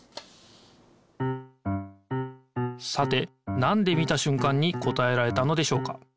さてなんで見たしゅんかんに答えられたのでしょうか？